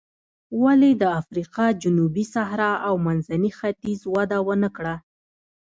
ولې د افریقا جنوبي صحرا او منځني ختیځ وده ونه کړه.